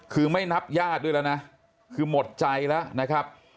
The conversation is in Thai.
คือไม่นับญาติด้วยแล้วนะคือหมดใจแล้วนะครับ